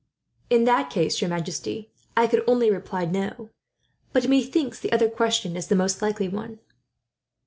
'" "In that case, your majesty, I could only reply 'no;' but methinks the other question is the most likely one."